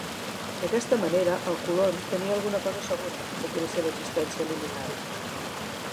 D'aquesta manera, el colon tenia alguna cosa segura, tot i la seva existència limitada.